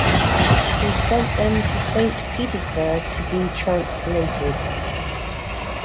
He sent them to Saint Petersburg to be translated.